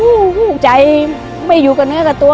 ว่ะแล้วมระบังใจไม่อยู่กับเนื้อกับตัว